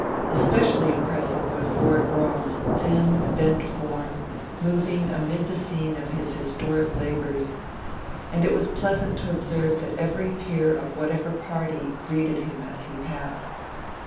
Especially impressive was Lord Brougham's thin, bent form moving amid the scene of his historic labours, and it was pleasant to observe that every peer of whatever party greeted him as he passed.